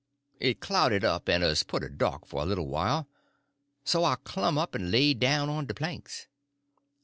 It clouded up en 'uz pooty dark for a little while. So I clumb up en laid down on de planks.